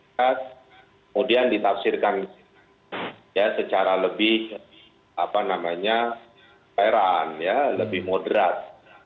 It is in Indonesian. kemudian ditafsirkan ya secara lebih apa namanya peran ya lebih moderat